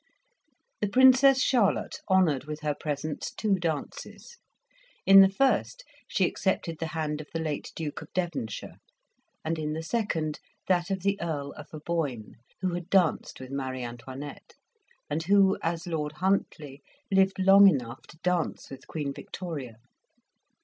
The Princess Charlotte honoured with her presence two dances. In the first she accepted the hand of the late Duke of Devonshire, and in the second that of the Earl of Aboyne, who had danced with Marie Antoinette, and who, as Lord Huntley, lived long enough to dance with Queen Victoria.